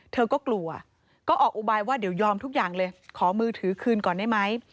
เธอก็กลัวก็ออกอุบายว่าเดี๋ยวยอมทุกอย่างเลยขอมือถือคืนก่อนได้ไหม